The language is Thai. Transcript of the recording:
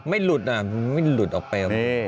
ไม่หลุดไม่หลุดออกไป